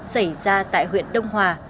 xảy ra tại huyện đông hòa